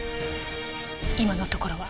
今のところは。